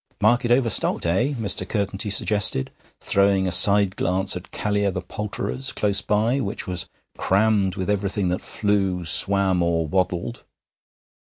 'Market overstocked, eh?' Mr. Curtenty suggested, throwing a side glance at Callear the poulterer's close by, which was crammed with everything that flew, swam, or waddled.